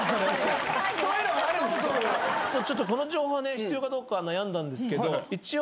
この情報はね必要かどうか悩んだんですけど一応。